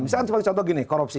misalkan contoh gini korupsi